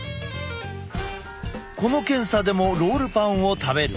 この検査でもロールパンを食べる。